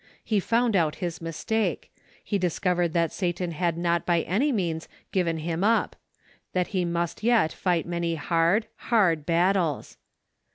He found out his mistake; he discovered that Satan had not. by any means given him up; that he must yet fight many hard, hard battles.